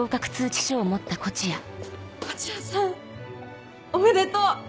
東風谷さんおめでとう！